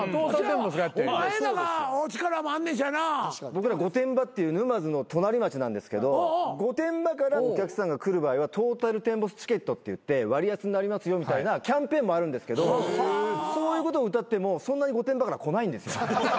僕ら御殿場っていう沼津の隣町なんですけど御殿場からお客さんが来る場合はトータルテンボスチケットっていって割安になりますよみたいなキャンペーンもあるんですけどそういうことをうたってもそんなに御殿場から来ないんです。